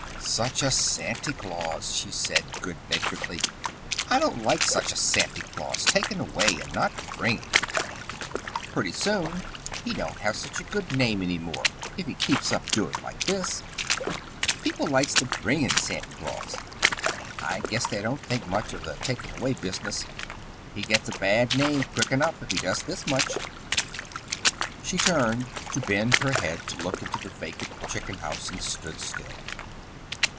"Such a Santy Claus!" she said good naturedly. "I don't like such a Santy Claus taking away and not bringing! Purty soon he don't have such a good name any more if he keeps up doing like this. People likes the bringing Santy Claus. I guess they don't think much of the taking away business. He gets a bad name quick enough if he does this much." She turned to bend her head to look into the vacant chicken house and stood still.